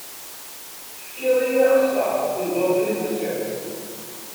Tefkiḍ-iyi axessaṛ s tqendurt-nni telsiḍ.